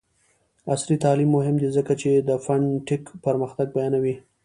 عصري تعلیم مهم دی ځکه چې د فین ټیک پرمختګ بیانوي.